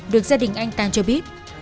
được gia đình anh ta cho biết